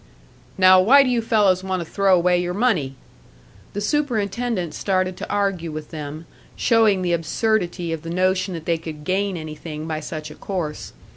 "Now, why do you fellows want to throw away your money?" The superintendent started to argue with them, showing the absurdity of the notion that they could gain anything by such a course.